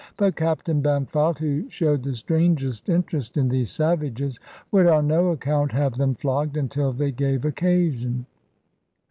But Captain Bampfylde, who showed the strangest interest in these savages, would on no account have them flogged until they gave occasion.